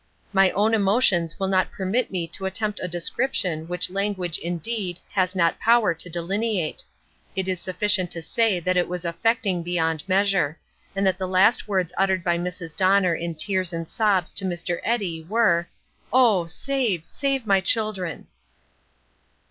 My own emotions will not permit me to attempt a description which language, indeed, has not power to delineate. It is sufficient to say that it was affecting beyond measure; and that the last words uttered by Mrs. Donner in tears and sobs to Mr. Eddy were, "Oh, save, save my children!"